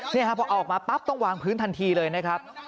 นี่ครับพอออกมาปั๊บต้องวางพื้นทันทีเลยนะครับ